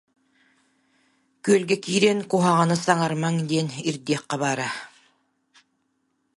Күөлгэ киирэн куһаҕаны саҥарымаҥ диэн ирдиэххэ баара.